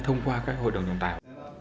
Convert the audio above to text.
thông qua các hợp đồng trọng tài